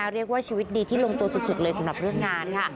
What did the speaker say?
เรียกว่าชีวิตดีที่ลงตัวสุดเลยสำหรับเรื่องงานค่ะ